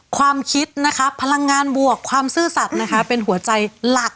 ความคิดนะคะพลังงานบวกความซื่อสัตว์นะคะเป็นหัวใจหลัก